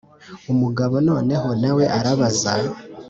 umugabo noneho nawe arabaza: